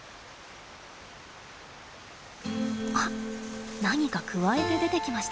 あっ何かくわえて出てきました。